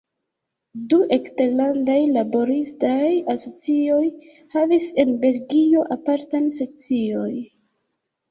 Du eksterlandaj laboristaj asocioj havis en Belgio apartan sekcion.